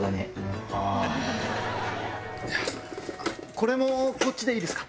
これもこっちでいいですか？